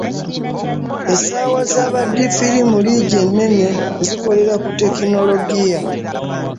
Essaawa za baddifiiri mu liigi ennene zikolera ku tekinologiya